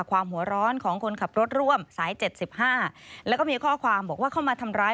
ความหัวร้อนของคนขับรถร่วมสายเจ็ดสิบห้าแล้วก็มีข้อความบอกว่าเข้ามาทำร้าย